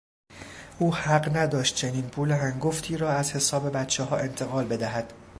او حق نداشت چنین پول هنگفتی را از حساب بچهها انتقال بدهد.